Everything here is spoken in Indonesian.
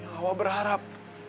yang kau berharap